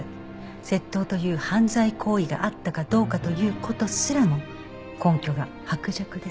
窃盗という犯罪行為があったかどうかという事すらも根拠が薄弱です。